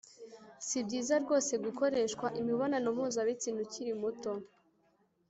si byiza rwose gukoreshwa imibonano mpuzabitsina ukiri muto